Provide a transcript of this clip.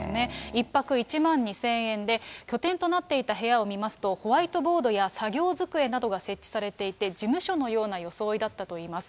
１泊１万２０００円で、拠点となっていた部屋を見ますと、ホワイトボードや作業机などが設置されていて、事務所のような装いだったといいます。